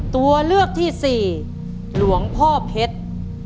ตัวเลือกที่สี่หลวงพ่อเพชร